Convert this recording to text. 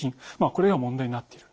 これが問題になっている。